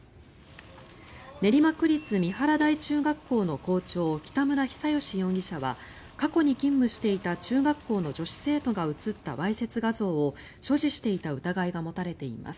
練馬区立三原台中学校の校長北村比左嘉容疑者は過去に勤務していた中学校の女子生徒が写ったわいせつ画像を所持していた疑いが持たれています。